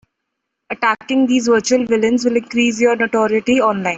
Attacking these virtual villains will increase your notoriety online.